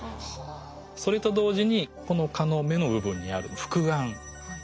それと同時にこの蚊の目の部分にある複眼。